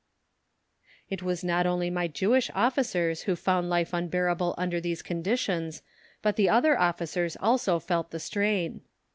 It was not only my Jewish officers who found life unbearable under these conditions, but the other officers also felt the strain.